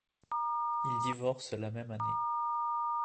Il divorce la même année.